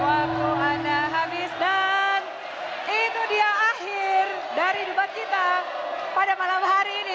waktu anda habis dan itu dia akhir dari debat kita pada malam hari ini